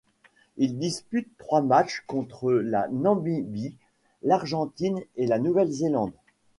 Il dispute trois matchs contre la Namibie, l'Argentine et la Nouvelle-Zélande.